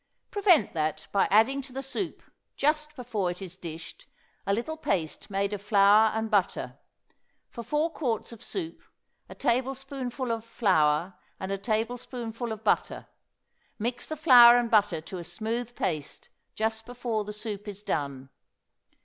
Prevent that by adding to the soup, just before it is dished, a little paste made of flour and butter. For four quarts of soup a tablespoonful of flour and a tablespoonful of butter; mix the flour and butter to a smooth paste just before the soup is done.